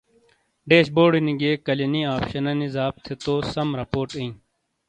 ڈیش بورڈینی گِئیے "کلیانی" آپشنانی زاب تھے تو سَم رپورٹ اِئیں۔